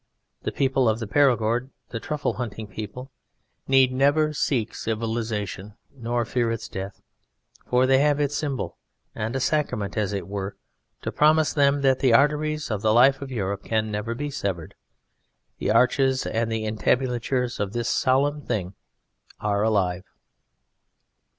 The people of the Perigord, the truffle hunting people, need never seek civilization nor fear its death, for they have its symbol, and a sacrament, as it were, to promise them that the arteries of the life of Europe can never be severed. The arches and the entablatures of this solemn thing are alive.